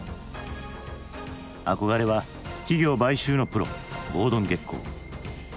憧れは企業買収のプロゴードン・ゲッコー。